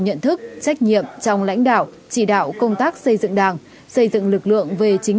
nhận thức trách nhiệm trong lãnh đạo chỉ đạo công tác xây dựng đảng xây dựng lực lượng về chính